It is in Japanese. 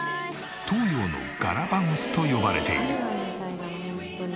東洋のガラパゴスと呼ばれている。